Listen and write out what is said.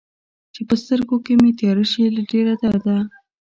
چې په سترګو مې تياره شي له ډېر درده